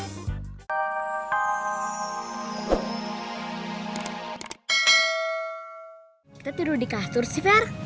kita tidur di kastur sih fer